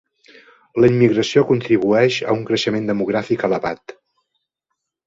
La immigració contribueix a un creixement demogràfic elevat.